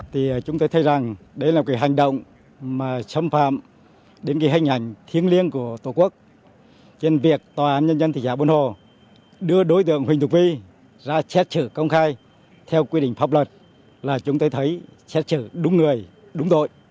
thì chúng tôi thấy rằng đây là cái hành động mà xâm phạm đến cái hành hành thiêng liêng của tổ quốc trên việc tòa án nhân dân thị xã buồn hồ đưa đối tượng huỳnh thục vi ra xét xử công khai theo quy định pháp luật là chúng tôi thấy xét xử đúng người đúng đội